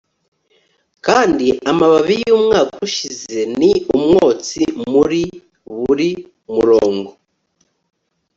Kandi amababi yumwaka ushize ni umwotsi muri buri murongo